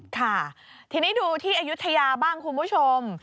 ค่ะทีนี้ดูที่อายุทยาบ้างคุณผู้ชม